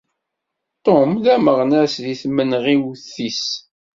Tom d ameɣnas deg temɣiwent-is.